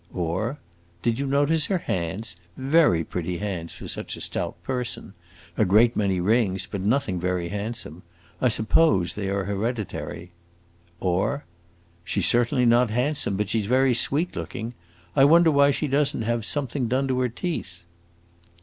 Or, "Did you notice her hands? very pretty hands for such a stout person. A great many rings, but nothing very handsome. I suppose they are hereditary." Or, "She 's certainly not handsome, but she 's very sweet looking. I wonder why she does n't have something done to her teeth."